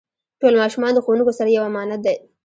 ټول ماشومان د ښوونکو سره یو امانت دی.